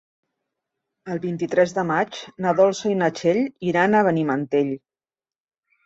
El vint-i-tres de maig na Dolça i na Txell iran a Benimantell.